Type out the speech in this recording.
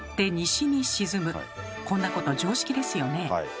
こんなこと常識ですよね。